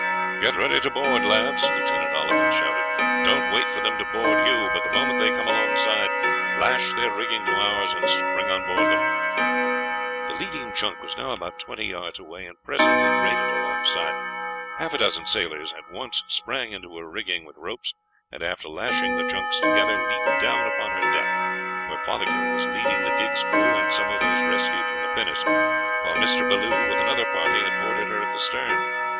"Get ready to board, lads!" Lieutenant Oliphant shouted. "Don't wait for them to board you, but the moment they come alongside lash their rigging to ours and spring on board them." The leading junk was now about twenty yards away, and presently grated alongside. Half a dozen sailors at once sprang into her rigging with ropes, and after lashing the junks together leaped down upon her deck, where Fothergill was leading the gig's crew and some of those rescued from the pinnace, while Mr. Bellew, with another party, had boarded her at the stern.